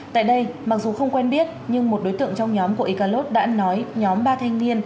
tại đây mặc dù không quen biết nhưng một đối tượng trong nhóm của ikalot đã nói nhóm ba thanh niên